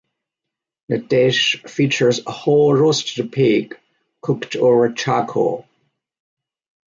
The dish features a whole roasted pig cooked over charcoal.